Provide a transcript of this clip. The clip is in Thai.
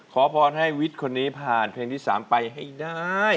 ขอพรให้วิทย์คนนี้ผ่านเพลงที่๓ไปให้ได้